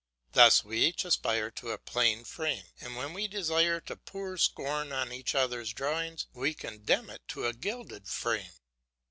Thus we each aspire to a plain frame, and when we desire to pour scorn on each other's drawings, we condemn them to a gilded frame.